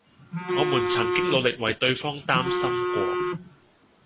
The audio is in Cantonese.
我們曾經努力為對方擔心過